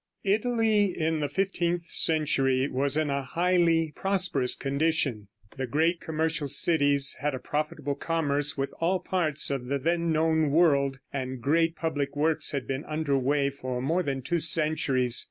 Italy in the fifteenth century was in a highly prosperous condition. The great commercial cities had a profitable commerce with all parts of the then known world, and great public works had been under way for more than two centuries.